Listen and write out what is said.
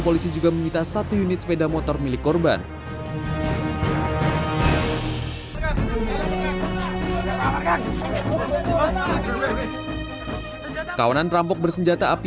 polisi juga menyita satu unit sepeda motor milik korban kawanan perampok bersenjata api